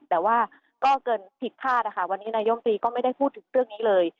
แต่ว่าก็เกินผิดคาดนะคะวันนี้นายมตรีก็ไม่ได้พูดถึงเรื่องนี้เลย